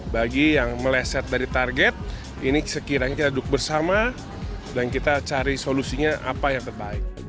bagi yang meleset dari target ini sekiranya kita duduk bersama dan kita cari solusinya apa yang terbaik